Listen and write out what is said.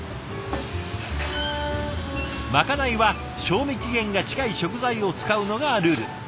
まかないは賞味期限が近い食材を使うのがルール。